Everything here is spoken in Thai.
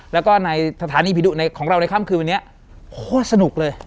แล้วก็ในสถานีผีดุในของเราในค่ำคืนวันนี้โคตรสนุกเลย